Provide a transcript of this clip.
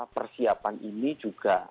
persiapan ini juga